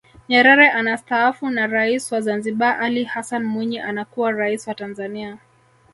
Nyerere anastaafu na Rais wa Zanzibar Ali Hassan Mwinyi anakuwa Rais wa Tanzania